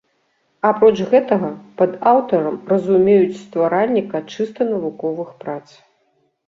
Апроч гэтага, пад аўтарам разумеюць стваральніка чыста навуковых прац.